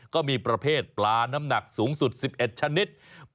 ก็มีประเภทปลาน้ำหนักสูงสุด๑๑ชนิด